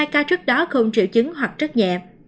một mươi hai ca trước đó không triệu chứng hoặc rất nhẹ